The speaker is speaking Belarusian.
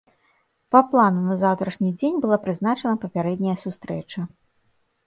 Па плану на заўтрашні дзень была прызначана папярэдняя сустрэча.